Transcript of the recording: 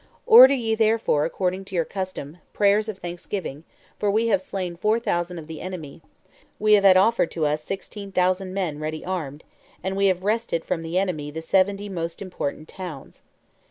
"Order ye, therefore, according to your custom, prayers of thanksgiving, for we have slain four thousand of the enemy; we have had offered to us sixteen thousand men ready armed; and we have wrested from the enemy the seventy most important towns.